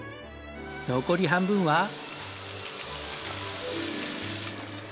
残り半分は。